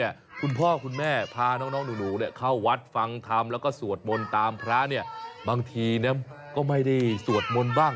เอ้าแต่เขาเป็นความตั้งใจของเด็กน้อยคนนี้นะครับ